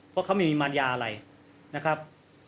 เพราะเขาไม่มีมารยาอะไรนะครับ